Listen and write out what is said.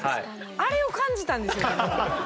あれを感じたんですよね。